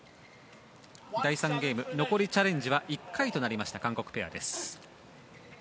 第３ゲーム残りチャレンジは１回となった韓国ペアです。